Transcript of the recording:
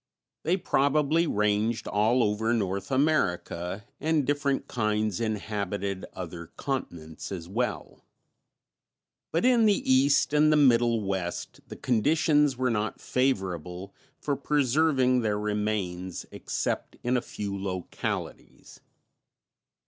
They probably ranged all over North America, and different kinds inhabited other continents as well. But in the East and the Middle West, the conditions were not favorable for preserving their remains, except in a few localities.